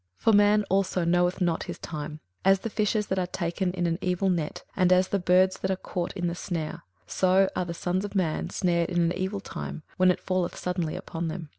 21:009:012 For man also knoweth not his time: as the fishes that are taken in an evil net, and as the birds that are caught in the snare; so are the sons of men snared in an evil time, when it falleth suddenly upon them.